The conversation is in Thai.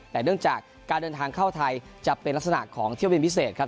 แต่เนื่องจากการเดินทางเข้าไทยจะเป็นลักษณะของเที่ยวบินพิเศษครับ